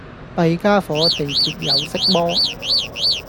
弊傢伙，地鐵有色魔